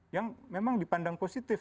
yang memang dipandang positif